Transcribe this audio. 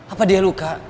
apa dia luka